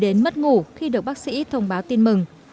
bệnh nhân này không thích ngủ khi được bác sĩ thông báo tin mừng